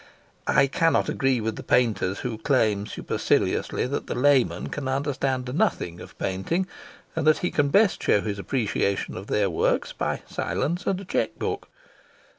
I cannot agree with the painters who claim superciliously that the layman can understand nothing of painting, and that he can best show his appreciation of their works by silence and a cheque book.